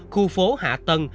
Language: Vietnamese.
khu phố hạ tân